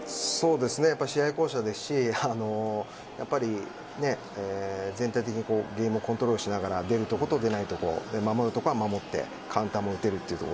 試合巧者ですしやっぱり全体的にゲームをコントロールしながら出るところと出ないところ守るところは守ってカウンターも打てるという。